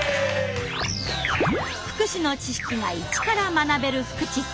福祉の知識がイチから学べる「フクチッチ」。